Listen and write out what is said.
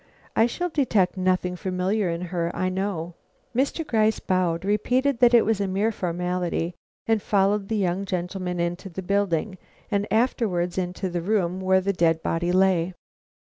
I shall detect nothing familiar in her, I know." Mr. Gryce bowed, repeated that it was a mere formality, and followed the young gentleman into the building and afterwards into the room where the dead body lay.